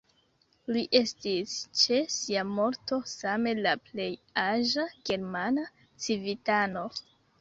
Li estis ĉe sia morto same la plej aĝa germana civitano.